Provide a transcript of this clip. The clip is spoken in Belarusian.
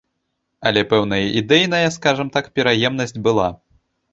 Але пэўная ідэйная, скажам так, пераемнасць была.